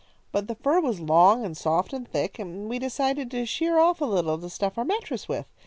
But the fur was long and soft and thick, and we decided to shear off a little to stuff our mattress with.